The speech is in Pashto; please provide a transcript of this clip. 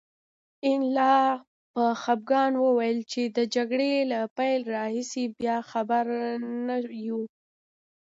انیلا په خپګان وویل چې د جګړې له پیل راهیسې بیا خبر نه یو